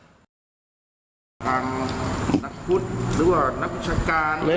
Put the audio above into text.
ทางนักพุทธหรือว่านักวิชาการ